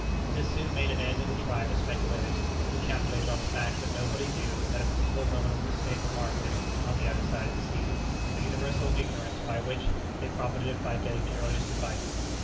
This soon made an end of the tribe of speculators who calculated on the fact that nobody knew at a particular moment the state of the market on the other side of the sea, an universal ignorance by which they profited by getting the earliest advices.